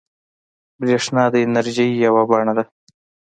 برېښنا د انرژۍ یوه بڼه ده.